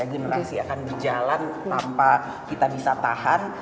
generasi akan berjalan tanpa kita bisa tahan